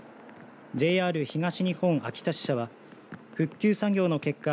ＪＲ東日本、秋田支社は復旧作業の結果